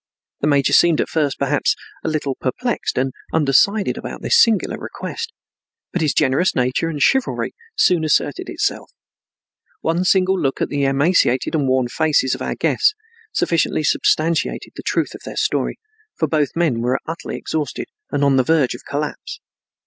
The major seemed at first, perhaps, a little perplexed and undecided about this singular request, but his generous nature and chivalry soon asserted itself. One single look at the emaciated and worn faces of our guests sufficiently substantiated the truth of their story, for both men were utterly exhausted and on the verge of collapse.